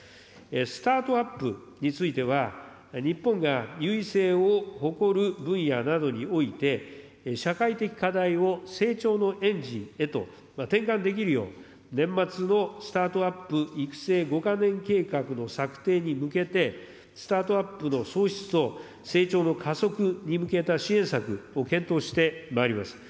スタートアップについては、日本が優位性を誇る分野などにおいて、社会的課題を成長のエンジンへと転換できるよう、年末のスタートアップ育成５か年計画の策定に向けて、スタートアップの創出を成長の加速に向けた支援策を検討してまいります。